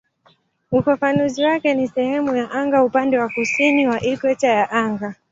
Ufafanuzi wake ni "sehemu ya anga upande wa kusini wa ikweta ya anga".